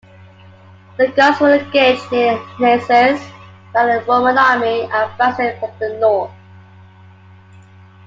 The Goths were engaged near Naissus by a Roman army advancing from the north.